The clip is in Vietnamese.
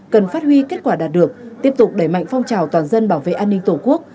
cần phát huy kết quả đạt được tiếp tục đẩy mạnh phong trào toàn dân bảo vệ an ninh tổ quốc